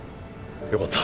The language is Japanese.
よかった。